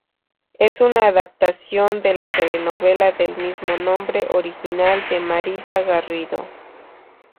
Es una adaptación de la telenovela del "mismo nombre" original de Marissa Garrido.